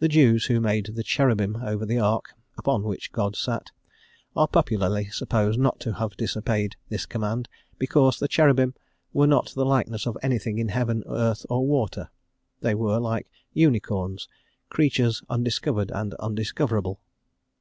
The Jews, who made the cherubim over the ark, upon which God sat, are popularly supposed not to have disobeyed this command, because the cherubim were not the likeness of anything in heaven, earth, or water: they were, like unicorns, creatures undiscovered and undiscoverable.